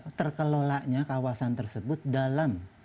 untuk terkelolanya kawasan tersebut dalam